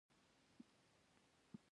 انډیواله ته خو هغه ډبره راکړه.